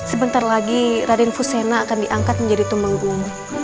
sebentar lagi raden fusena akan diangkat menjadi tumenggung